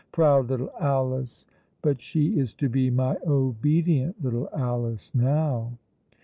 Proud little Alice! but she is to be my obedient little Alice now."